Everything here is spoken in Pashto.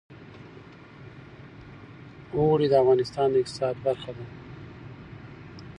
اوړي د افغانستان د اقتصاد برخه ده.